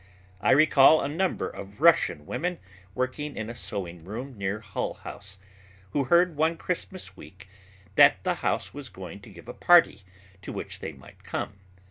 I recall a number of Russian women working in a sewing room near Hull House, who heard one Christmas week that the House was going to give a party to which they might come.